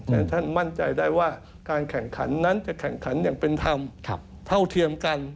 แต่ท่านมั่นใจได้ว่าการแข่งขันนั้นจะแข่งขันอย่างเป็นธรรมเท่าเทียมกัน